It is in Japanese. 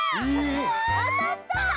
あたった！